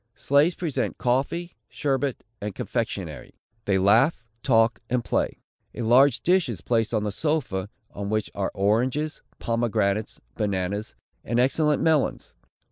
Slaves present coffee, sherbet, and confectionary. They laugh, talk and play. A large dish is placed on the sofa, on which are oranges, pomegranates, bananas, and excellent melons.